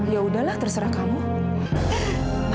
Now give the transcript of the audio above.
ya udahlah terserah kamu ya mbak